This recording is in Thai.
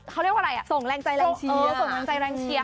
เขาเรียกว่าอะไรส่งแรงใจแรงเชียร์